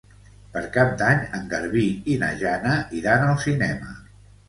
Per Cap d'Any en Garbí i na Jana iran al cinema.